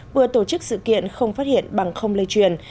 vừa tổ chức sự kiện không phát hiện bằng không lây truyền